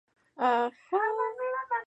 Se encuentra en las afueras de la localidad.